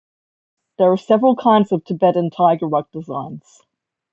There are several kinds of Tibetan tiger rug designs.